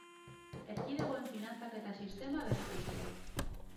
Erkidegoen finantzaketa sistema berrikustea.